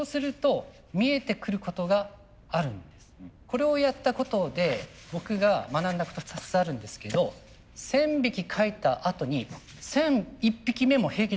これをやったことで僕が学んだこと２つあるんですけど１，０００匹描いたあとに１，００１匹目も平気で描けたんです。